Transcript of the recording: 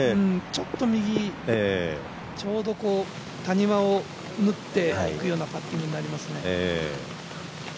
ちょっと右、ちょうど谷間を縫っていくようなパッティングになりますね。